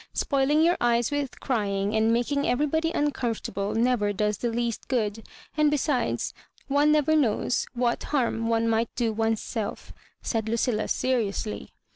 Spoiling your eyes with crying, and making everybody lucomfortable, never does the least good : and, besides, one never knows what harm one might do one's self)" said Lucilla, seriously.